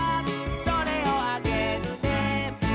「それをあげるね」